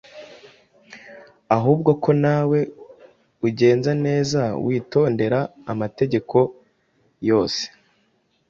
ahubwo ko na we ugenza neza witondera amategeko yose.